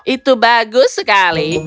itu bagus sekali